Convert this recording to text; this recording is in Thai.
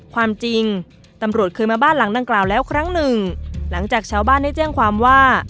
ความจริงตำรวจเคยมาบ้านหลังดังกล่าวแล้วครั้งหนึ่งหลังจากชาวบ้านได้แจ้งความว่า